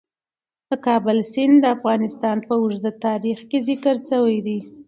د کابل سیند د افغانستان په اوږده تاریخ کې ذکر شوی دی.